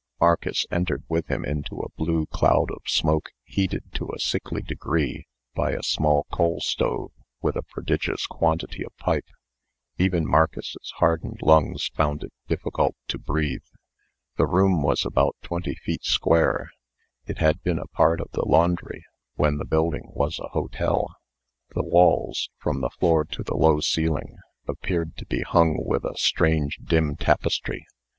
Marcus entered with him into a blue cloud of smoke heated to a sickly degree by a small coal stove with a prodigious quantity of pipe. Even Marcus's hardened lungs found it difficult to breathe. The room was about twenty feet square. It had been a part of the laundry when the building was a hotel. The walls, from the floor to the low ceiling, appeared to be hung with a strange, dim tapestry.